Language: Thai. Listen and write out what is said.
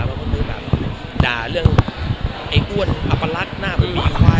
เพราะผมคือแบบด่าเรื่องไอ้อ้วนอัปลัติหน้าเป็นผีควาย